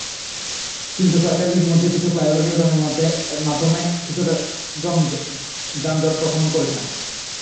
কিন্তু সরকার ইতিমধ্যে কিছু ফ্লাইওভার নির্মাণের মাধ্যমে কিছুটা যানজট প্রশমন করেছে।